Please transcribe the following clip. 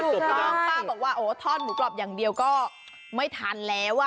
คุณป้าบอกว่าท่อนหมูกรอบอย่างเดียวก็ไม่ทันแล้ว